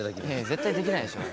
絶対できないでしょ。